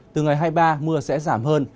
từ ngày hai mươi ba mưa sẽ giảm hơn